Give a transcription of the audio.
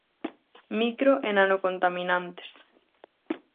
Micro- e nanocontaminantes.